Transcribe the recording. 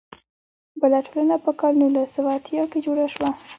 بله ټولنه په کال نولس سوه اتیا کې جوړه شوه.